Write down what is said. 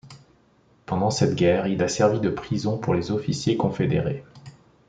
Pendant cette guerre, il a servi de prison pour les officiers confédérés.